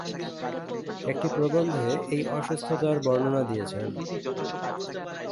একটি প্রবন্ধে এই অসুস্থতার বর্ণনা দিয়েছেন।